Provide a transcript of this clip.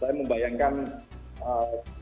saya membayangkan eee